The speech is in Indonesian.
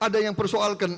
ada yang persoalkan